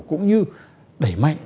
cũng như đẩy mạnh